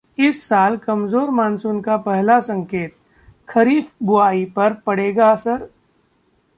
इस साल कमजोर मानसून का पहला संकेत, खरीफ बुआई पर पड़ेगा असर?